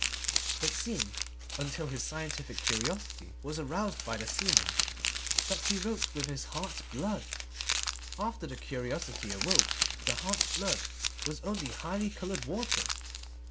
It seemed, until his scientific curiosity was aroused by the seeming, that he wrote with his heart's blood. After the curiosity awoke, the heart's blood was only highly coloured water.